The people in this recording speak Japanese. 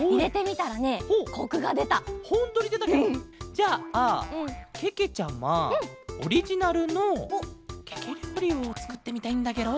じゃあけけちゃまオリジナルのケケりょうりをつくってみたいんだケロ。